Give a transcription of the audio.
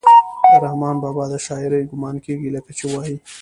د رحمان بابا د شاعرۍ ګمان کيږي لکه چې وائي: